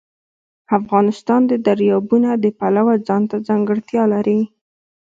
افغانستان د دریابونه د پلوه ځانته ځانګړتیا لري.